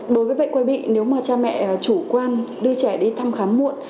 đối với bệnh quay bị nếu mà cha mẹ chủ quan đưa trẻ đi thăm khám muộn